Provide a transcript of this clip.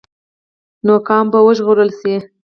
نو قام به وژغورل شي.